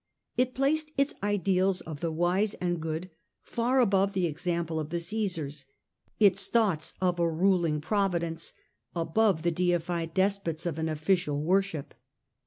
It placed its ideals of the wise and good far above the example of the Caesars, its thoughts of a ruling Providence above the deified despots of an official wor ship.